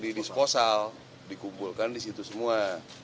di disposal dikumpulkan di situ semua